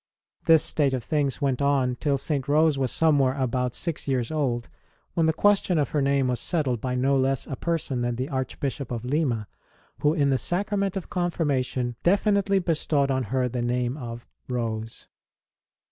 This state of things went on till St. Rose was somewhere about six years old, when the question of her name was settled by no less a person than the Archbishop of Lima, who in the Sacrament of Confirmation definitely bestowed on her the name of Rose.